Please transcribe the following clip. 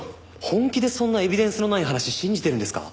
本気でそんなエビデンスのない話信じてるんですか？